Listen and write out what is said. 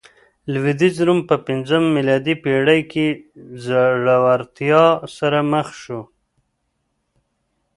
لوېدیځ روم په پنځمه میلادي پېړۍ کې ځوړتیا سره مخ شو